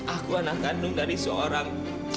aku anak kandung dari seorang